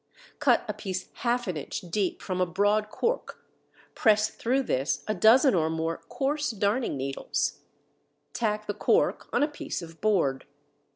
3). Cut a piece half an inch deep from a broad cork; press through this a dozen or more coarse darning needles; tack the cork on a piece of board.